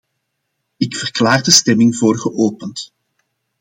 Ik verklaar de stemming voor geopend.